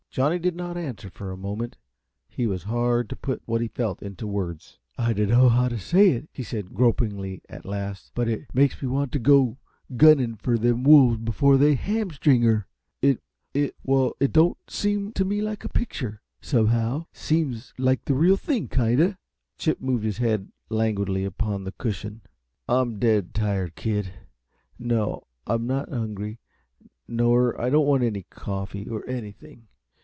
Johnny did not answer for a moment. It was hard to put what he felt into words. "I dunno just how t' say it," he said, gropingly, at last, "but it makes me want t' go gunnin' fer them wolves b'fore they hamstring her. It well it don't seem t' me like it was a pitcher, somehow. It seems like the reel thing, kinda." Chip moved his head languidly upon the cushion. "I'm dead tired, kid. No, I'm not hungry, nor I don't want any coffee, or anything.